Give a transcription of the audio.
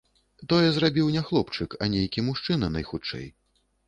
Тое зрабіў не хлопчык, а нейкі мужчына, найхутчэй.